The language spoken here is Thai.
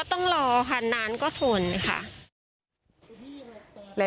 ต้องรอค่ะนานก็ทนค่ะ